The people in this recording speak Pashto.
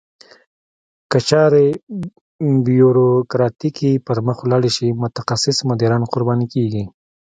که چارې بیوروکراتیکي پرمخ ولاړې شي متخصص مدیران قرباني کیږي.